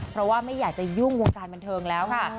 เพราะว่าไม่อยากจะยุ่งวงการบันเทิงแล้วค่ะ